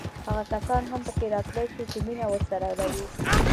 هغه کسان هم پکې راتللی شي چې مینه ورسره لرو.